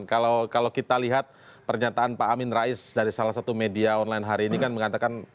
kalau kita lihat pernyataan pak amin rais dari salah satu media online hari ini kan mengatakan